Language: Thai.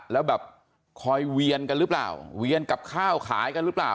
แล้วแบบคอยเวียนกันหรือเปล่าเวียนกับข้าวขายกันหรือเปล่า